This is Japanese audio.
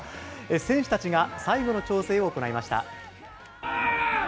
選手たちが最後の調整を行いました。